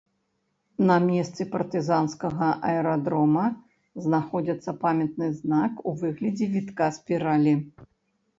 На месцы партызанскага аэрадрома знаходзіцца памятны знак у выглядзе вітка спіралі.